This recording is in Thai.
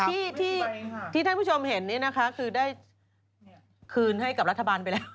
ไม่จริงนะคะที่ท่านผู้ชมเช็นน่ะคือได้คืนให้กับรัฐบาลแล้ว